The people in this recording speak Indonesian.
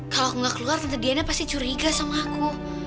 kalau aku gak keluar tante diana pasti curiga sama aku